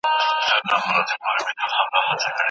ولي پر سکروټو له سفر څخه بېرېږمه.